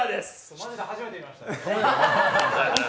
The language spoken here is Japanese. マジで初めて見ました。